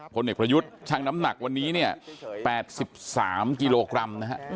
คนเด็กพลยุทธ์ช่างน้ำหนักวันนี้๘๓กิโลกรัม